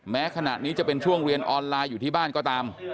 แม้ขณะนี้จะเป็นช่วงเรียนออนไลน์อยู่ที่บ้านก็ตาม